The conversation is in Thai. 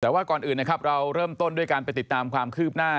แต่ว่าก่อนอื่นนะครับเราเริ่มต้นด้วยการไปติดตามความคืบหน้า